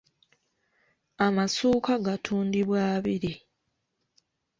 Amasuuka gatundibwa abiri.